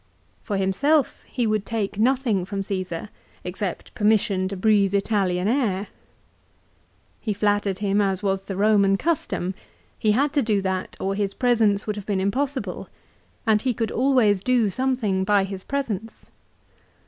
For himself he would take nothing from Caesar, except permission to breathe Italian air. He flattered him as was the Eoman custom. He had to do that or his presence would have been impossible, and he could always do something by his presence.